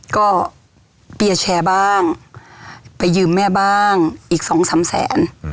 ก็เปียร์แชร์บ้างไปยืมแม่บ้างอีกสองสามแสน